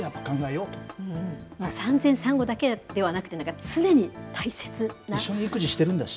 産前産後だけではなくて、常一緒に育児してるんだし。